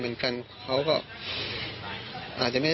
ต่างฝั่งในบอสคนขีดบิ๊กไบท์